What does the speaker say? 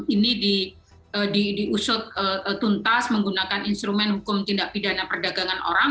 ini diusut tuntas menggunakan instrumen hukum tindak pidana perdagangan orang